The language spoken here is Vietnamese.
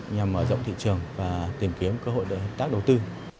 nhằm mở rộng thị trường và tìm kiếm cơ hội để hợp tác đầu tư